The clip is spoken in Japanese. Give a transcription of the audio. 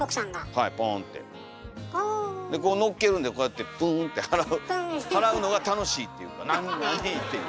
でこうのっけるんでこうやってプンって払うのが楽しいっていうか「何？」っていう。